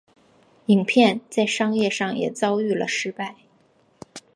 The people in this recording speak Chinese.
影片在商业上也遭遇了失败。